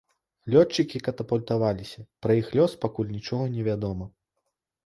Лётчыкі катапультаваліся, пра іх лёс пакуль нічога невядома.